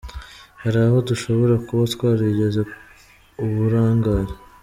hari aho dushobora kuba twaragize uburangare”.